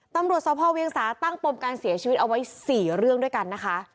ตำรวจสภเวียงสาตั้งปมการเสียชีวิตเอาไว้๔เรื่องด้วยกันนะคะ